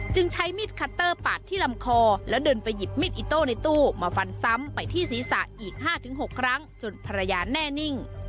ใช้มีดคัตเตอร์ปาดที่ลำคอแล้วเดินไปหยิบมีดอิโต้ในตู้มาฟันซ้ำไปที่ศีรษะอีก๕๖ครั้งจนภรรยาแน่นิ่ง